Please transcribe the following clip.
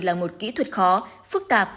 là một kỹ thuật khó phức tạp